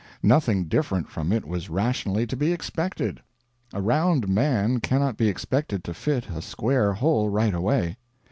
Nothing different from it was rationally to be expected. A round man cannot be expected to fit a square hole right away.